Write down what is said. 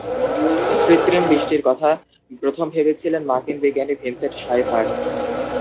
কৃত্রিম বৃষ্টির কথা প্রথম ভেবেছিলেন মার্কিন বিজ্ঞানী ভিনসেন্ট শায়েফার।